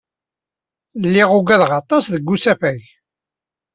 Lliɣ ugadeɣ aṭas deg usafag.